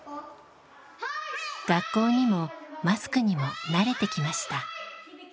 学校にもマスクにも慣れてきました。